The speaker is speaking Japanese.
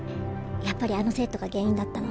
やっぱりあの生徒が原因だったの？